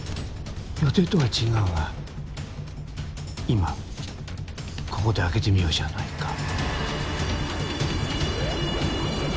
予定とは違うが今ここで開けてみようじゃないか。